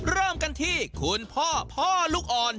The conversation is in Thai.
เริ่มกันที่คุณพ่อพ่อลูกอ่อน